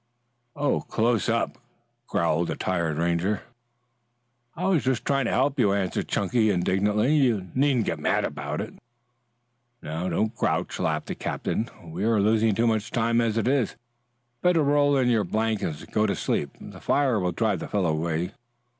"Oh, close up!" growled a tired Ranger. "I was just trying to help you," answered Chunky indignantly. "You needn't get mad about it." "No, don't grouch," laughed the captain. "We are losing too much time as it is. Better roll in your blankets and go to sleep. The fire will drive the fellow away."